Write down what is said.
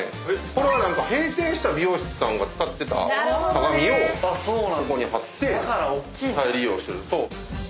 これは何か閉店した美容室さんが使ってた鏡をここに張って再利用してると。